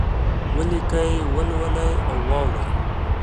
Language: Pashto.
ولیکئ، ولولئ او واورئ!